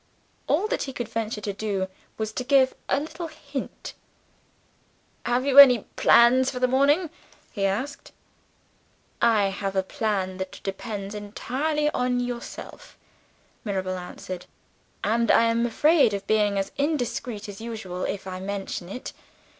All that he could venture to do was to give a little hint. "Have you any plans for the morning?" he asked. "I have a plan that depends entirely on yourself," Mirabel answered; "and I am afraid of being as indiscreet as usual, if I mention it.